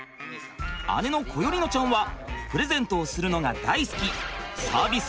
姉の心縁乃ちゃんはプレゼントをするのが大好きサービス